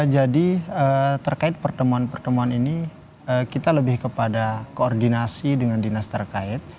jadi terkait pertemuan pertemuan ini kita lebih kepada koordinasi dengan dinas terkait